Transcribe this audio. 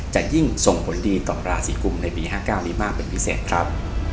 จะยิ่งส่งผลดีต่อราศีกุมในปี๕๙นี้มากเป็นพิเศษครับ